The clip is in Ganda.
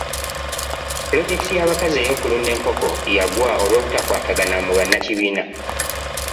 Pulojekiti y'abakazi ey'okulunda enkoko yagwa olw'obutakwatagana mu bannakibiina.